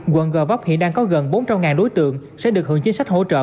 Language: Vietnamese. quận gò vấp hiện đang có gần bốn trăm linh đối tượng sẽ được hưởng chính sách hỗ trợ